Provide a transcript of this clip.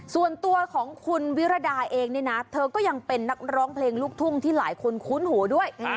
ส่วนตัวของคุณวิรดาเองเนี่ยนะเธอก็ยังเป็นนักร้องเพลงลูกทุ่งที่หลายคนคุ้นหูด้วย